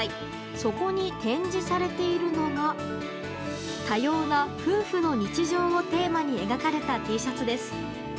そこに展示されているのが多様なふうふの日常をテーマに描かれたＴシャツです。